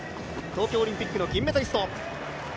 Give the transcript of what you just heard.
東京オリンピックの銀メダリスト。